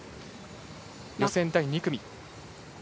予選第２組。